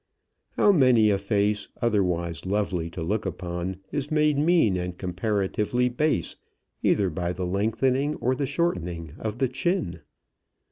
How many a face, otherwise lovely to look upon, is made mean and comparatively base, either by the lengthening or the shortening of the chin!